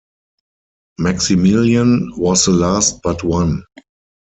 Maximilien was the last but one.